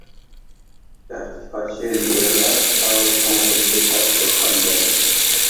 بەختكە قارشى نېرىدا تاۋۇز چوڭلۇقىدىكى تاش ياتقانىكەن.